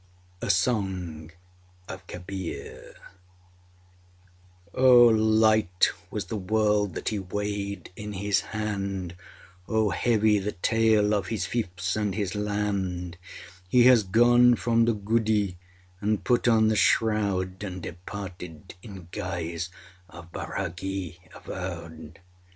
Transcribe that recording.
A SONG OF KABIR Oh, light was the world that he weighed in his hands! Oh, heavy the tale of his fiefs and his lands! He has gone from the guddee and put on the shroud, And departed in guise of bairagi avowed!